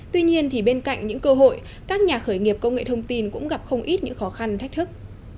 tuy nhiên bên cạnh những cơ hội các nhà khởi nghiệp công nghệ thông tin cũng gặp không ít những khó khăn thách thức